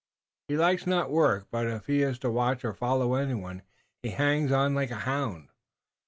"He likes not work, but if he is to watch or follow anyone he hangs on like a hound.